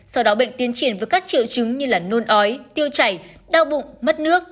sau đó bệnh tiến triển với các triệu chứng như nôn ói tiêu chảy đau bụng mất nước